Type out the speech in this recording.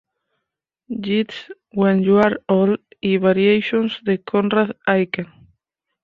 Yeats, "When You Are Old", y "Variations" de Conrad Aiken.